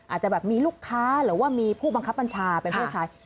อาจจะแบบมีลูกค้าหรือว่ามีผู้บังคับบัญชาเป็นผู้ชาย